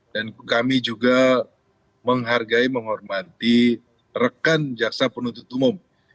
dan kami juga menghargai menghormati rekan jaksa penuntut umum